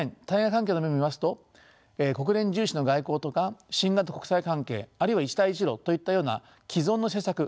対外関係の面で見ますと国連重視の外交とか新型国際関係あるいは一帯一路といったような既存の政策